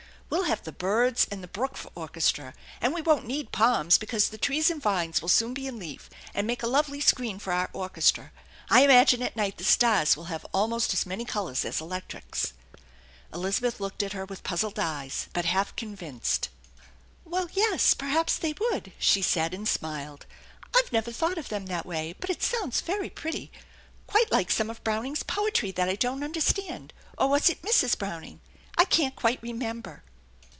We'll have the birds and the brook for orchestra, and we won't need palms, because the trees and vines will soon be in leaf and make a lovely screen for our orchestra. I imagine at night the stars will have almost as many colors as electrics." Elizabeth looked at her with puzzled eyes, but half convinced. "Well, yes, perhaps they would," she said, and smiled * I've never thought of them that way, but it sounds very THE ENCHANTED BARN 7 pretty, quite like some of Browning's poetry that I don't understand, or was it Mrs. Browning? I can't quite remember."